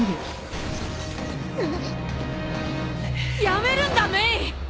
やめるんだメイ！